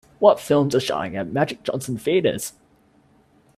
What films are showing at Magic Johnson Theatres.